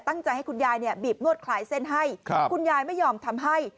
ตั้งใจให้คุณยายเนี่ยบีบนวดคลายเส้นให้คุณยายไม่ยอมทำให้